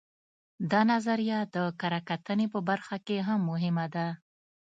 دا نظریه د کره کتنې په برخه کې هم مهمه ده